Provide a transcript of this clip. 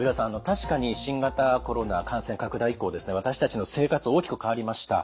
確かに新型コロナ感染拡大以降ですね私たちの生活大きく変わりました。